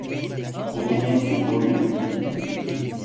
Konumunuzu koruyun.